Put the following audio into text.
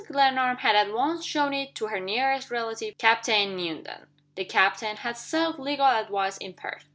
Glenarm had at once shown it to her nearest relative, Captain Newenden. The captain had sought legal advice in Perth.